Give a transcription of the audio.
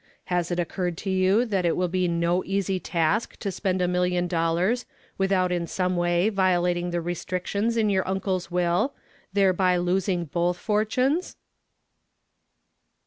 "Has it occurred to you that it will be no easy task to spend a million dollars without in some way violating the restrictions in your uncle's will, thereby losing both fortunes?"